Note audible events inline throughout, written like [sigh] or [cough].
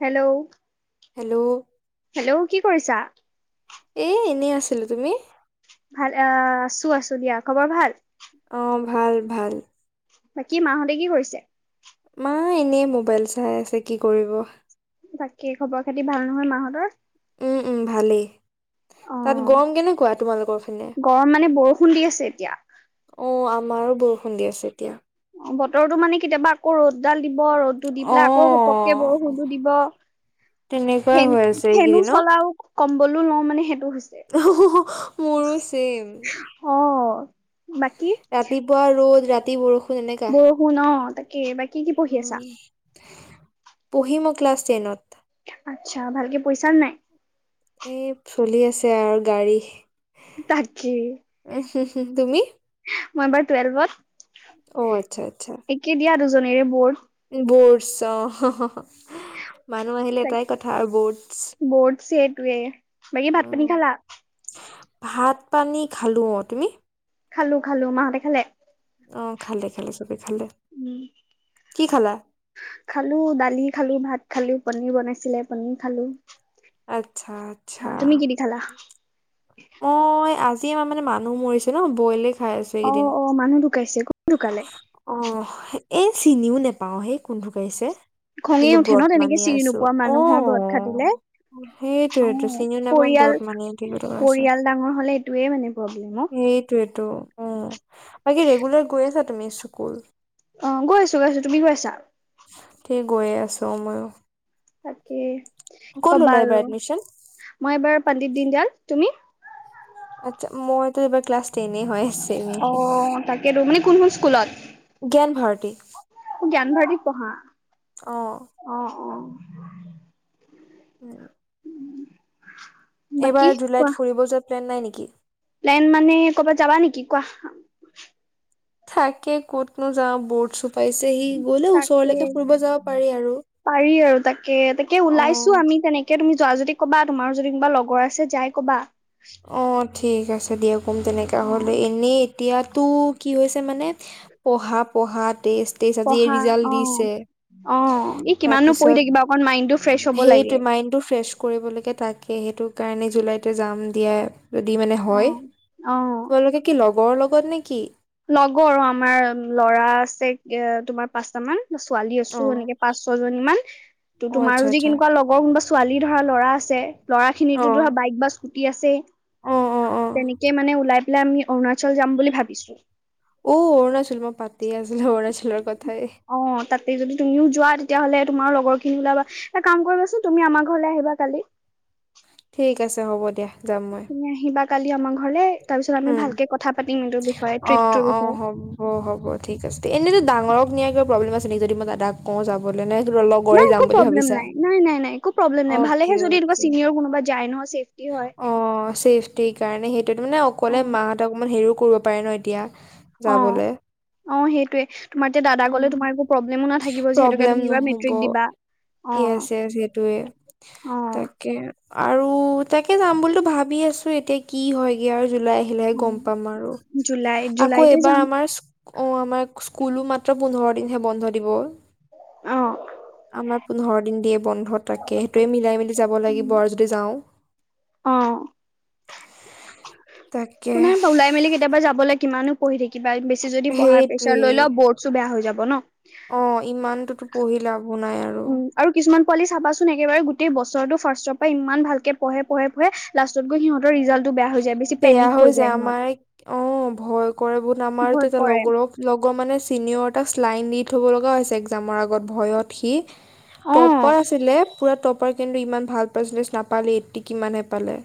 Hello hello hello কি কৰিছা? এহ এনেই আছিলো তুমি? ভাল আহ আছো আছো দিয়া খবৰ ভাল? অহ ভাল ভাল বাকী মাহঁতে কি কৰিছে? মা এনেই মোবাইল চাই আছে কি কৰিব। বাকে খবৰ খাতি ভাল নহয় মাহঁতৰ? উম উম ভালেই। তাত অ' গৰম কেনেকুৱা তোমালোকৰ ফালে? গৰম মানে বৰষুণ দি আছে এতিয়া। অহ আমাৰো বৰষুণ দি আছে এতিয়া। অ বতৰটো মানে কেতিয়াবা আকৌ ৰ'দ ডাল দিব ৰ'দটো দি অ পেলাই আকৌ ঘপককে বৰষুণো দিব, তেনেকুৱাই ফেন হৈ আছে ফেনো এইকেইদিন অ চলাও কম কলো নহ মানে সেটো মোৰো চেম অ' ৰাতিপুৱা ৰ'দ ৰা ৰাতি বৰষুণ এনেকা বৰষুন অহ, তাকে বাকী কি পঢ়ি আছা? পঢ়ি মই ক্লাছ টেইনত। আচ্ছা ভালকে পইচা নাই। এই চলি আছে আৰু গাড়ী। তাকে উ- হ- হ তুমি? মই এ বাৰু টুৱেল্ভত। অহ ', একে দিয়া আৰু। জনেৰে বহৰ্ত [unintelligible] বৰ্ছ অহ ', উহ ', মানুহ আহিলে এটাই কথা বৰ্ডছ টোৱে মাগি ভাত পানী উম খালা। ভাত পানী খালো অহ ', তুমি খালো -খালো মাহঁতে খালে? অহ ', খালে খালে চ। খালে। উম কি খালা? খালো দালি খালো ভাত খালো পনিৰ বনাইছিলে পনিৰ খালো। আচ্ছা- আচ্ছা তুমি কি দি খালা অহ ', আ মানে মানুহ মৰিছে ন বইলেগ। অহ - অহ মানুহ ঢুকাইছে। কোন ঢোকালে অহ ', এই চিনিও নেপাও হেই কোনটোৰ গৈছে। খঙে উঠে ন তেনেকে চিৰি নোপোৱা অ মানুহৰ ব্ৰত খাটিলে অহ সেইটোয়েতো চিনিও ', নাপাওঁ ব্ৰত পৰিয়াল মানি থাকিব লগা হৈছে পৰিয়াল ডাঙৰ হলে এইটয়ে মানে প্ৰব্লেম অহ ', তো অঁহ ', বাকি ৰেগুলাৰ গৈ আছা। এমি স্কুল অহ ', গৈ আছো - গৈ আছো তুমি গৈ আছা? ঠিক গৈয়ে আছোঁ ময়ো। তাকেই ক'ত কবা ল'লা এইবাৰ আৰু এডমিশ্যন মই এবাৰ পণ্ডিত দিনদাল। তুমি? আচ্ছা, মইতো এইবাৰ ক্লাছ টেনে হয় আছে অ তাকেতো মানে কোনখন স্কুলত জ্ঞান ভাৰত। সি জানভাৰি পঢ়া অ অহ - অহ উম', উম', এইবাৰ জুলাইত ফুৰিব যা। ে নাই নেকি লাইন মানে কৰ'বাত যাবা নেকি কোৱা থাকে ক'তনো যাওঁ বৰ্ট চু তাকে পাৰি আৰু পাৰি আৰু তাকে তাকে অ ওলাইছো আমি তেনেকে তুমি যোৱা যদি কবা তোমাৰ যদি কোনোবা লগৰ আছে যাই কবা অঠিক ঠিক আছে দিয়ক কম তেনেককাা অ হ'লে এনেই এতিয়াতো কি হৈছে মানে পঢ়া পঢ়াত তেজ তেজ আজি পঢ়া ৰিজাল্ট অ দিছে অ এই কিমাননো পঢ়ি তাৰপিছত থাকিবা অকন মাইণ্ডটো ফ্ৰেছ হ'ব লাগে। সেইটো মাইণ্ডটো ফ্ৰেছ কৰিবলৈকে তাক স সেইটো কাৰণে জুলাইতে যাম এতিিয়য়াে যদি মানে অ হয় অ তোমালোকে কি লগৰ লগ খবৰ নেকি লগৰ আৰু আমাৰ ল'ৰা আছে এ তোমাৰ পাঁচটাামান ছোৱালী আছো অ এনেকে পাঁচ ছয় জনী ইমান ত' অ', তোমাৰ আচ্ছা, যদি আচ্ছা। কেনেকুৱা লগৰ কোনোবা ছোৱালী ধৰা ল'ৰা আছে ল'ৰা অ', খিনিতো ধৰা বাইক বাছ ফুটি আছে অ', অ', অ'। তেনেকে মানে ওলাই পলে আমি অৰুণাচল যাম বুলি ভাবিছো অ অৰুণাচল মই পাতিয় আছিলো অৰুণাচলৰ কথা ম থেই অ তাতে যদি তুমিও যোৱা তেতিয়াহলে তোমাৰ লগৰ খিনি ওলাবা এটা কাম কৰিবাচোন তুমি আমাৰ ঘৰলৈ আহিবা কালি ঠিক আছে হ'ব দিয়া যাম মই কালিয় মাংসলে উম অ ট্ৰিপটোৰ অ বিষয়ে হ'ব হ'ব ঠিক আছে এনেতো ডাঙৰক নিয়া কিবা প্ৰব্লেম আছে আ যদি মইাক কওঁ যাবলৈ নে লগৰে নাই যাম একো বুলি প্ৰব্লেম ভাবিছা? নাই নাই নাই নাই একো প্ৰব্লেম নাই অ'কে, ভালেহে যদি এা অ'কে। চিনিয়ৰ কোনোবা যায় ন অ চেফটিৰ কাৰণে সেইটো মানে অ অকলে মাহঁত অকমান হেৰি কৰিব পাৰে ন এতিয়া অ যাবলে। অ সেইটোৱে তোমাৰ এতিয়া দাদা উম, কলে তোমাৰ একো প্ৰব্লেমো নাথাকিব যিহেতুকে প্ৰব্লেম তুমিিবা মেট্ৰিক নহ'ব। দিবা অ য়েছ য়েছ সেইটোৱে অ তাকে আৰু তাকে যাম বুলিুলো ভাবি আছো এতিয়া কি হয়গে আৰু জুলাই আহিলেহে অ গম পাম আৰু জুলাই আকৌ জুলাইতে এইবাৰ যাম আমাৰ অঁ আমাৰ স্কুলো মাত্ৰ পোন্ধৰ দিনহে বন্ধ দিব। অ আমাৰ পোন্ধৰ দিন দিয়ে বন্ধ, তাকে সেইটোয়ে মিলাই মিলি যাব লাগিব আৰু যদি যাও। অ' তাকে কোনে বাৰু ওলাই মেলি কেতিয়াবা যাবলৈ কিমানো পঢ়ি থাকি কিবা বেছি যদি পঢ়াৰ প্ৰেছাৰ সেইটোৱে লৈ লওঁ, বৰ্ডছো বেয়া হৈ যাব। ব ন। অ' ইমানটোতো পঢ়ি লাভো নাই। আৰু উম আৰু কিছুমান পোৱালি চাবাচোন একেবাৰে গোটেই বছৰটো ফাৰ্ষ্টৰ পৰা ইমান ভালকে পঢ়ে পঢ়ে- পঢ়ে, লাষ্টত গৈ সিহঁতৰ ৰিজাল্ট বেয়া হৈ যায় আমাৰ অ' ভয় কৰে বহুত আমাৰ ভয় এতিয় কৰে লগৰক লগৰ মানে চিনিয়ৰ এটাক শ্লাইন দি থ'ব লগা হৈছে, এক্জামৰ আগত ভয়ত সি, অ টপাৰ আছিলে, পোৰা টপাৰ, কিন্তু ইমান ভাল পাৰ্চেণ্টেজ নাপালে এইটি কিমান হে পালে।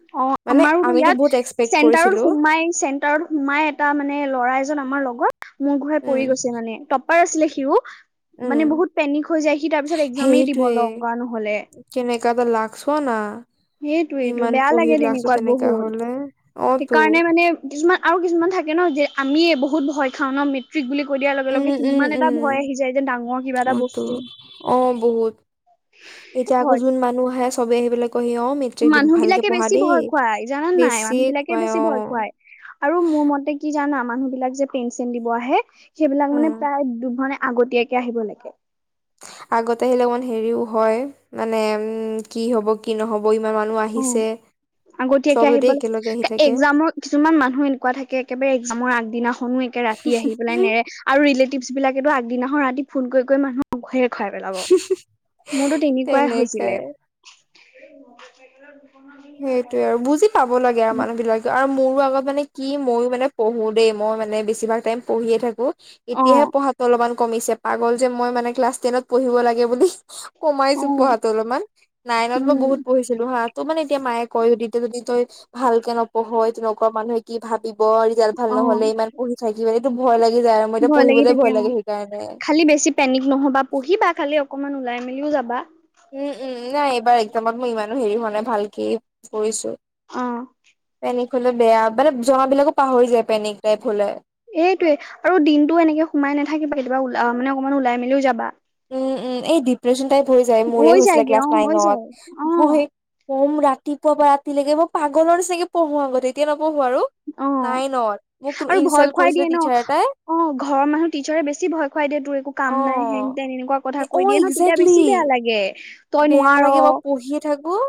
[inaudible] মানে আমাৰোতো আমিতো বহুত ইয়াত এক্সপেক্ট চেণ্টাৰত কৰিছিলো সোমাই চেণ্টাৰত সোমাই এটা মানে ল'ৰা এজন আমাৰ লগ মোৰ ঘূৰাই পৰি উম গৈছে মানে, টপ পাৰ আছিলে সিও। মানে উম বহুত পেনিক হৈ যায় সি তাৰ পিছত এক্জামেই দিব লগা নহ'লে। কাজে লাক চোৱানা। সেইটোয়েইটো বেয়া লাগে তেনেকুৱাত তেনেকা বহুত, হলে অ তো সেইকাৰণে মানে কিছুমান আৰু কিছুমান থাকে ন যে আমিয়ে বহুত বহুত ভয় খাও ন মেট্ৰিক বুলি কৈ দিয়াৰ লগে উম লগে উম- কিমান এটা উম, ভয় আহি যায় যে ডাঙৰ কিবা এটা অ তো বস্তু অ বহুত, এতিয়া আকৌ ভয় যোন মানুহ আহে চবে আহি পেলাই কয়হি অ মেট্ৰিক দি মানুহ ভালকে বিলাকে পঢ়া বেছি দেই ভয় খুৱাই জানা নাই, মানুহ বেছিয়ে বিলাকে কয় বেছি অ ভয় খুৱায় আৰু মোৰ মতে কি জানা মানুহ বিলাক যে পেন ছেন দিব আহে সেইবিলাক উম মানে প্ৰায় দুঘনে আগতীয়াকে আহিব লাগে। আগতে আহিলে অকমান হেৰিও হয় মানে উম কি হ'ব কি নহ'ব ইমান মানুহ অ আহিছে চব আগতীয়াকে যদি আহিিব একেলগে আহি থাকে একজামৰ কিছুমান মানুহ এনেকুৱা থাকে একেবাৰে এক্জামৰ আগদিনাখনো একে ৰাতি আহি পেলাই নেৰে আৰু ৰিলেটিভছ বিলাকেতো আগদিনাখন ৰাতি ফোন কৰি কৰি মানুহ খাই পেলাব, মোৰতো তেনেকুৱাই হৈছিলে। তেনেকাই [inaudible] [inaudible] সেইটোৱে আৰু বুজি পাব লগিয়া আৰু উম, মানুহ বিলাকে আৰু মোৰো আগত মানে কি ময়ো মানে পঢ়ো দেই মই মানে বেছিভাগ টাইম পঢ়িয়ে থাকো অ এতিয়াহে পঢ়াটো অলপমান কমিছে পাগল যে মই মানে ক্লাছ টেনত পঢ়িব লাগে বুলি অ কমাইছো পঢ়াতো অলপমান নাইনত মই বহুত উম পঢ়িছিলো হা ত মানে তইও তেতিয়া যদি তই ভালকে নপঢ়ই তেনেকুৱা মানুহে কি ভাবিব ৰিজাল্ট ভাল অ নহ'লে ইমান পঢ়ি থাকিব মানে ভয় লাগ ভয় লাগি থাকে অ খালি বেছি পেনিক নহবা পহিবা খালি অকমান ওলাই মেলিও যাবা উম উম নাই এইবাৰ একজামৰ মো ইমানো হেৰি হোৱা নাই ভালকে কৰিছো অ পেনিক হলে বেয়া মানে জনাবিলাকো পাহৰি যায় পেনিক টাইপ হলে এইটোৱে আৰু দিনটো এনেকে সোমাই নাথাকিবা কেতিয়াবা ওলা মানে অকমান ওলাই মেলিও যাবা উম উম এই ডিপ্ৰেশচন টাইপ হৈ যায় মোৰে হৈ হৈছিলে যায়গে ক্লাছ অ হৈ নাইনত যায় অ মই কম ৰাতিপুৱা পা ৰাতি লৈকে মই পাগলৰ নিচিনাকে পঢ়ো আগতে এতিয়া ন অ আৰু ভয় ইনচাল্ট খুৱাই কৰিছিলে দিয়ে ন টিচাৰ এটাই অ ঘৰৰ মানুহে টিচাৰে বেছি ভয় খুৱাই দিয়ে তোৰ একো কাম নাই হেঙ অ'। তেন এনেকুৱা কথা কৈ অ', দিয়ে ন তেতিয়া একজেক্টলি বেছি বেয়া লাগে তই নোৱাৰ ওহ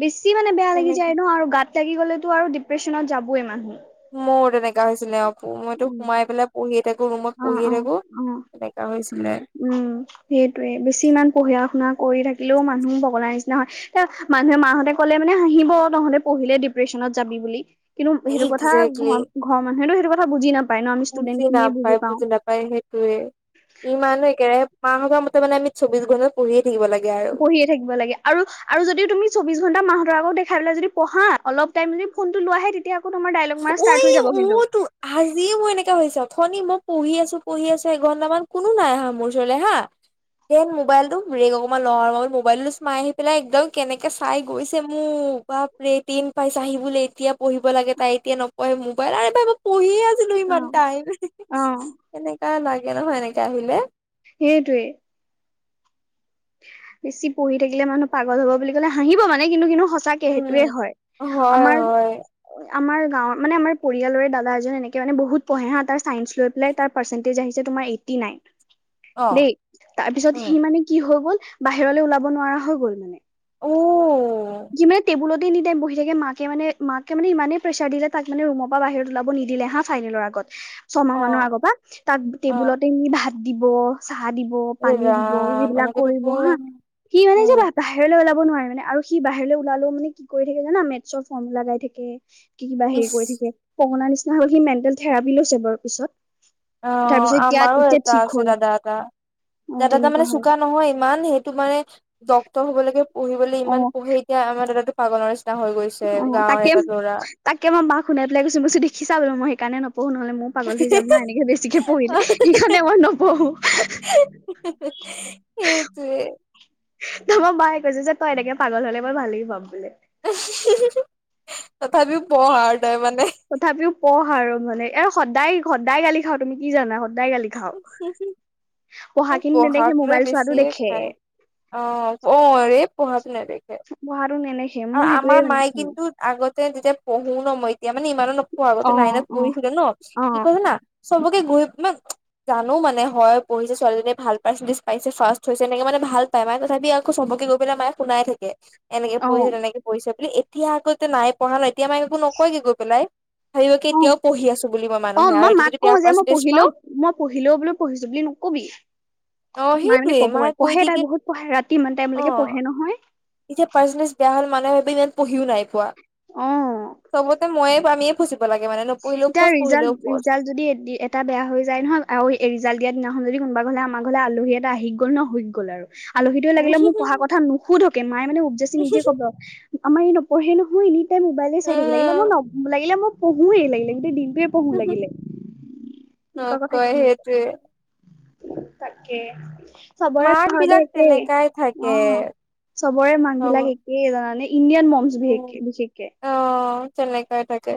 বেছি মানে বেয়া লাগি যায় ন আৰু গাত তাগি গলেতো আৰু ডিপ্ৰেশ্যনত যাবইে মানুহ মোৰ তেনেকা হৈছিলে অ' মইতো উম, সোমাই পেলাই পঢ়িয়ে থাকোঁ, ৰুমত অ', পঢ়িয়ে অ', থাকোঁ, অ', তেনেকা হৈছিলে। উম, সেইটোৱে বেছি ইমান পঢ়ে পঢ়া শুনা কৰি থাকিলেও মানুহ পগলাৰ নিচিনা হয়। এই মানুহে মাহঁতে ক'লে মানে হাঁহিব তহঁতে পঢ়িলে ডিপ্ৰেশ্যনত যাবি বুলি। কিন্তু সেইটো কথা একজেক্টলি ঘৰ ঘৰৰ মানুহেনো এইটো কথা বুজি না বুজি নাপায়, বুজি নাপায়, সেইটোৱে ইমানেই কে মাহঁতৰ মতে মানে আমি চৌব্বিশ ঘণ্টা পঢ়িয়েই পঢ়িয়ে থাকিব লাগে আৰু আৰু যদিও তুমি চৌব্বিশ ঘন্টা মাহঁতৰ আকৌ দেখাই পেলাই যদি পঢ়া অলপ টাইম যদি ফোনটো লোৱাহে সেই তেতিয়া আকৌ তোমাৰ ডাইলগ মাৰা ঐ ষ্টাৰ্ট হৈ যাব ও কিন্তু। তো আজি মোৰ এনেকা হৈছে অথনিৰ মোক পঢ়ি আছোঁ, পঢ়ি আছোঁ, এঘন্টামান কোনো নাই অহা মোৰ ওচৰলৈ হা দেন মোবাইলটো বেৰেক অকনমান লওঁ আৰু মোবাইলটো চে মাই আহি পেলাই একদম কেনেকে চাই গৈছে মোক বাপৰে তিন পাইচা আহিবলৈ এতিয়া পঢ়িব লাগে তাইত এতিয়া নপয়ে মোবাইল, আৰু পঢ়িয়ে বো ইমান অ', টাইম, অ', সেনেকা লাইফ তে নহয় এনেকে আহিলে সেইটোৱেইে। বেছি পঢ়ি থাকিলে মানুহ পাগল হ'ব বুলি ক'লে হাঁহিব মানে কিন্তু কিন্তু সঁচাকে উম, সেইটোয়ে হয়। আমাৰ হয়-হয়। আমাৰ গাঁৱৰ, মানে আমাৰ পৰিালৰে দাদা এজন এনেকে মানে বহুত পঢ়ে হা, তাৰ ছাইন্স লৈ পেলাই তাৰ পাৰ্চেন্টেজ আহিছে তোমাৰ এইটি নাইন অ', দেই, তাৰপিছত উম, সি মানে হৈ গ'ল বাহিৰলৈ ওলাব নোৱাৰা হৈ গ'ল মানে ও যি মানে টেবুলত এনি টাইম বহি থাকে, মাকে মানে মাকে মানে ইমানেই প্ৰেছাৰ দিলে, তাক মানে ৰুমৰ পৰা বাহিৰ ওলাব নিদিলে হা ফাইনেলৰ আগত ছমাহ মানৰ অ', আগৰ পৰা, তাক অ', টেবুলতে নি ভাত দিৱ স' চাহ দিব, এই পানী দিব, ৰাম সেইবিলাক এনেকে কৰিব হা, দেখোন কি মানে উম, যোবা বাহিৰলৈ ওলাব নোৱাৰে মানে আৰু সি বাহিৰলৈ ওলালেও মান কি কৰি থাকে জানা মেথ্ছৰ ফৰ্মুলা গাই থাকে কি কিবা হেৰি ইচ কৰি থাকে, পগলা নিচ নহলে সি মেটেল থেৰাপি লৈছে বাৰু পিছত অঁ তাৰপিছত এতিয়া আমাৰো এতিয়া এটা ঠিক আছে, হ'ল দাদা এটা, অ দাদা এটা তেনেকুৱা মানে হয় চোকা নহয় ইমান, সেইটো মানে ডক্তৰ হবলৈকে পঢ়িবলৈ ইমান পঢ়ে এতিয়া আমাৰ দাদাটো পাগলৰ হৈ গৈছে অঁ গাঁৱৰ তাকে, এটা ল'ৰা। তাকে মই মাক শুনাই পেলাই কৈছো দেখিছা বোলো মই কানে ন পঢ়ো নহলে, মই পাগল হৈ যাম না এনেকে বেছিকে পঢ়িলে, সিখনে মই নপঢ়ো। সেইটোৱে মায়ে কৈছে যে তই এনেকে পাগল হলে মই ভালে পাম বুলে। আহ [inaudible] তথাপিও পৰহ আৰু তয় মানে তথাপিও পঢ় আৰু মানে, এ' সদায় সদায় গালি খাওঁ, তুমি কি জানা সদায় গালি খাওঁ পঢ়া খিনি নেদেখে পঢ়াক লৈ মোবাইল চোৱাটো বেছিয়ে দেখে খায়, অঁ অৰে পহাত নেদেখে। পঢ়াটো নেদেখে আৰু মোৰ সেইটোৱে আমাৰ মানে মায়ে খং। কিন্তু আগত তেতিয়া পহু ন যি এতিয়া মানে ইমানো নোখোৱা আগতে অ', নাইনত অ', পঢ়িছিলে ন, কি অ', কৈ যানা চবকে গৈ-মানে জানোঁ মানে হয় পঢ়িছে, ছোৱালীজনীয়ে ভাল পাৰ্চেণ্টেজ পাইছে, ফাৰষ্ট হৈছে, এনেকে মানে ভাল পায়। মায়ে তথাপি আকৌ চবকে গৈ পেলাই মায়ে শুনাই থাকে। কৰিছে অ', তেনেকে কৰিছে বুলি ঠিয়া আগতে নাই পঢ়া নই এতিয়া মাইক একো নকয়গে গৈ পেলাই। ভাবিব কি অ', এতিয়াও পঢ়ি আছো বুলি মানুহে অ', আৰু মই এতিয়া মাক যদি কওঁ বেয়া যে মই পাৰ্চেন্টেজ পঢ়িলেও, পাওঁ মই পঢ়িলেও বোলো পঢ়িছো বুলি নক'বি। অ মায়ে মানে সেইটোয়ে ক'বয়ে, কৈ পঢ়ে দিয়ে তাই কি বহুত পঢ়ে, ৰাতি ইমান অ টাইমলৈকে পঢ়ে নহয়। এতিয়া পাৰ্চেণ্টেজ বেয়া হ'লে মানুহে ভাবে ইমান পঢ়িও নাই পোৱা। অ'। চবতে ময়ে পামি এতিয়া ৰিজাল্ট-ৰিজাল্ট যদি এটা বেয়া হৈ যায় নহয় আৰু এ', ৰিজাল্ট দিয়া দিনা যদি কোনোবা ঘৰলে আমাৰ ঘৰলে আলহী এটা আহি গ'ল নহয় হৈ গল আৰু। আলহীটোৱে উম লাগিলে মোক পঢ়া কথা নুসুধকে মায়ে মানে উপজাচি নিজে কব আমাৰ ই নপঢ়েই নহয় এনি তাই মোবাইলেই চাই থাকে। লাগিলে মই নপ, লাগিলে মই মোৰ এই লাগিলে দিনটোয়ে পঢ়োঁ লাগিলে, এনেকুৱা কথা নকয় কিছুমান সেইটোৱে ক তাকে। চবৰে মাক ঘৰতে বিলাক একে, তেনেকাই থাকে অ চবৰে হ'ব মাকবিলাক একে জানানে। ইণ্ডিয়ান মম্‌ছ উম বিশেষকে-বিশেষকে। অ তেনেকাই থাকে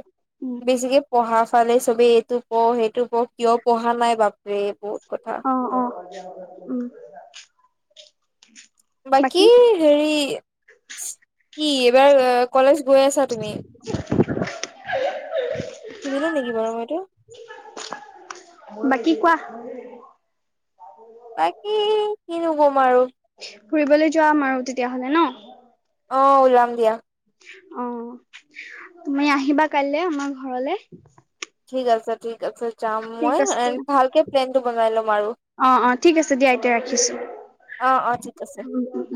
বেছিকে পঢ়া ফালে চবেই, এইটো পঢ় সেইটো পঢ় কিয় পঢ়া নাই বাপ [unintelligible] অ', অ'। উম'। বাকী হেৰি [inaudible] কি এইবাৰ কলেজ গৈ আছা তুমি? শুনি লওঁ নেকি বাৰু মই এইটো? [inaudible] বাকী কিনো কম আৰু? ফুৰিবলৈ যাম আৰু তেতিয়াহ'লে ন? অ', উলাম দিয়া। উম, তুমি আহিবা কাইলে আমাৰ ঘৰলে? ঠিক আছে ঠিক তাৰ পিচত যাম ঠিক মই এ আছে ভালকে প্লেনটো বনাই ল'ম আৰু অ অ ঠিক আছে দিয়া এতিয়া ৰাখিছো অ অ ঠিক আছে। উম উম উম